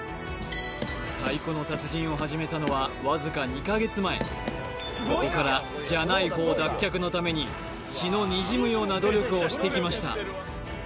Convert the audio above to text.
太鼓の達人を始めたのはわずか２か月前そこからに血のにじむような努力をしてきました